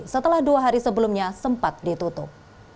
setelah dua hari sebelumnya sempat ditutup